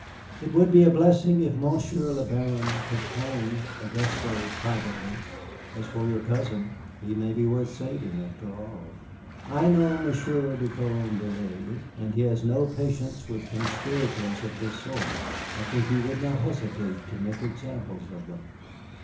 "It would be a blessing if Monsieur le Baron could hang Auguste privately. As for your cousin, he may be worth saving, after all. I know Monsieur de Carondelet, and he has no patience with conspirators of this sort. I think he would not hesitate to make examples of them.